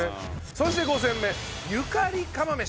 そして５戦目ゆかり釜飯。